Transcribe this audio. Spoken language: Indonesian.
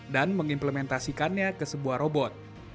dan mengimplementasikannya ke sebuah robot